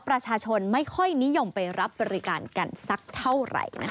ประชาชนไม่ค่อยนิยมไปรับบริการกันสักเท่าไหร่นะคะ